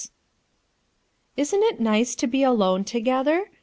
w Isn't it nice to be alone together?